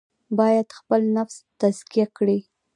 باید خپل نفس تزکیه کړي.